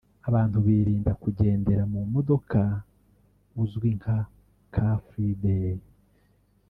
abantu birinda kugendera mu modoka uzwi nka “Car Free Day”